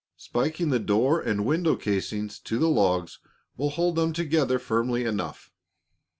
Spiking the door and window casings to the logs will hold them together firmly enough."